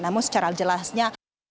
namun secara jelasnya